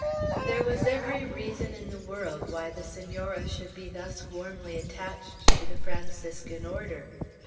There was every reason in the world why the Senora should be thus warmly attached to the Franciscan Order.